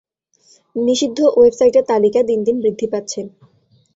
নিষিদ্ধ ওয়েবসাইটের তালিকা দিন দিন বৃদ্ধি পাচ্ছে।